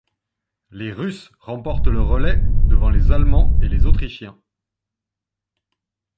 Les Russes remportent le relais devant les Allemands et les Autrichiens.